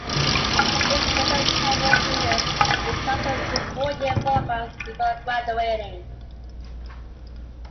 This doesn't account for students who transfer to four year programs before graduating.